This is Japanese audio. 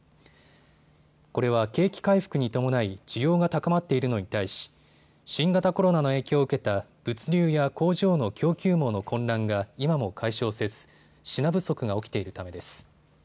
これは景気回復に伴い需要が高まっているのに対し新型コロナの影響を受けた物流や工場の供給網の混乱が今も解消せず品不足が起きているためです。